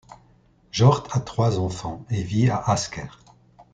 Hjorth a trois enfants et vit à Asker.